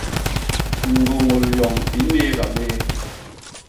Ñgôñôl yoñ i nnééga bé.